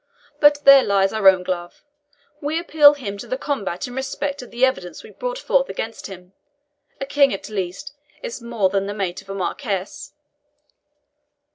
But there lies our own glove; we appeal him to the combat in respect of the evidence we brought forth against him. A king, at least, is more than the mate of a marquis."